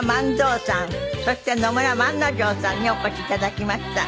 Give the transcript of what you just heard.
そして野村万之丞さんにお越し頂きました。